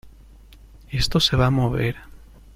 esto se va a mover.